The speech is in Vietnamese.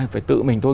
phải tự mình thôi